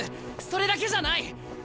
それだけじゃない！